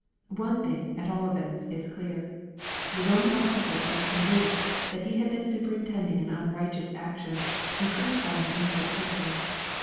One thing, at all events, is clear. The Roman officer felt convinced that he had been superintending an unrighteous action, and crucifying an innocent person.